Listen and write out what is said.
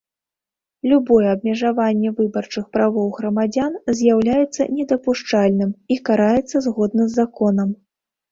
Любое абмежаванне выбарчых правоў грамадзян з’яўляецца недапушчальным і караецца згодна з законам.